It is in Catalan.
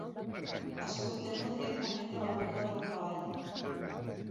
Escoltem-ho directament de la boca del cavall.